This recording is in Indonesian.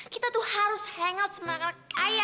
kita tuh harus hangout sama anak kaya